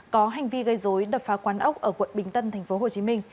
có hành vi gây dối đập phá quán ốc ở quận bình tân tp hcm